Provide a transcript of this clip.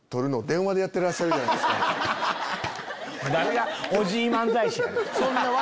誰がおじい漫才師やねん。